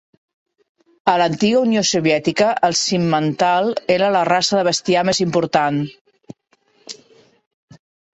A l'antiga Unió Soviètica, el Simmental era la raça de bestiar més important.